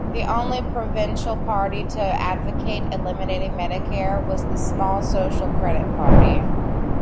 The only provincial party to advocate eliminating Medicare was the small Social Credit Party.